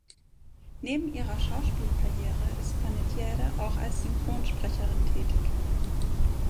Neben ihrer Schauspielkarriere ist Panettiere auch als Synchronsprecherin tätig.